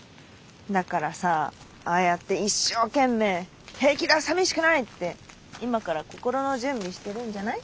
だからさああやって一生懸命「平気ださみしくない」って今から心の準備してるんじゃない？